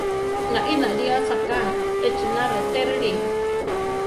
Naí náli asáka, echina retérili.